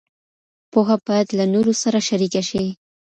پوهه بايد له نورو سره شريکه شي.